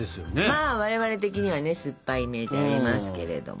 まあ我々的にはね酸っぱいイメージがありますけれども。